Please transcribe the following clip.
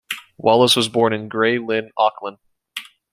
Wallace was born in Grey Lynn, Auckland.